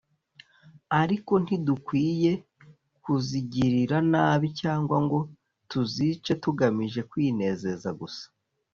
Ariko ntidukwiriye kuzigirira nabi cyangwa ngo tuzice tugamije kwinezeza gusa